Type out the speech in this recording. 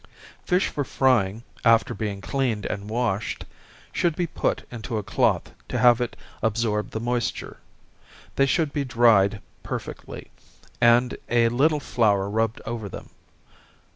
Fish for frying, after being cleaned and washed, should be put into a cloth to have it absorb the moisture. They should be dried perfectly, and a little flour rubbed over them.